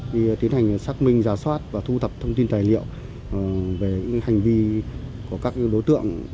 như tiến hành xác minh giả soát và thu thập thông tin tài liệu về những hành vi của các đối tượng